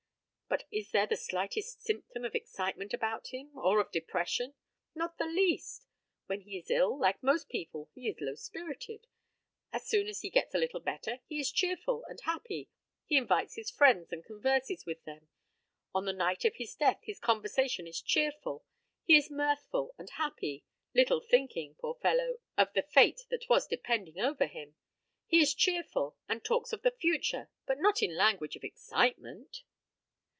But is there the slightest symptom of excitement about him, or of depression? Not the least. When he is ill, like most people, he is low spirited. As soon as he gets a little better, he is cheerful and happy. He invites his friends and converses with them. On the night of his death his conversation is cheerful. He is mirthful and happy, little thinking, poor fellow, of the fate that was depending over him. He is cheerful, and talks of the future, but not in language of excitement.